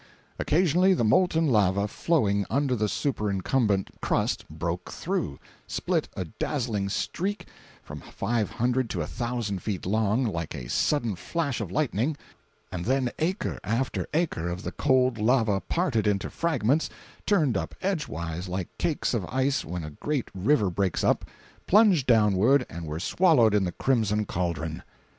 Occasionally the molten lava flowing under the superincumbent crust broke through—split a dazzling streak, from five hundred to a thousand feet long, like a sudden flash of lightning, and then acre after acre of the cold lava parted into fragments, turned up edgewise like cakes of ice when a great river breaks up, plunged downward and were swallowed in the crimson cauldron.